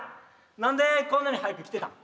何でこんなに早く来てたん？